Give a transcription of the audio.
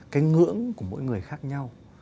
cái ngưỡng của mỗi người khác nhau